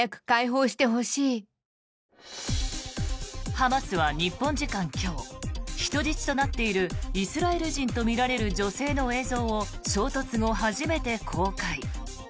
ハマスは日本時間今日人質となっているイスラエル人と見られる女性の映像を衝突後初めて公開。